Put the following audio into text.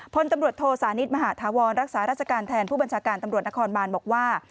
พลตำรวจโทสานิทมหาธาวรรักษาราชการแทนผู้บัญชาการตำรวจนครบานบอกว่า